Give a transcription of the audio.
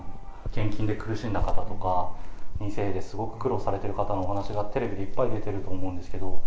献金で苦しんだ方とか、２世ですごく苦労されてる方のお話がテレビでいっぱい出てると思うんですけど。